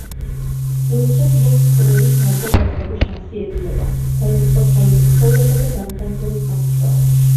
უეცრად ლოკს ცხოვრების თვიდან დაწყების შანსი ეძლევა, დაივიწყოს თავის ცხოვრება და დამქანცველი სამუშაო.